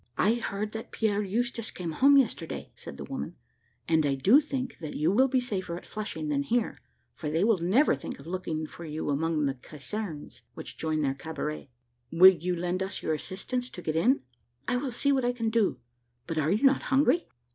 "I heard that Pierre Eustache came home yesterday," said the woman; "and I do think that you will be safer at Flushing than here, for they will never think of looking for you among the casernes, which join their cabaret." "Will you lend us your assistance to get in?" "I will see what I can do. But are you not hungry?"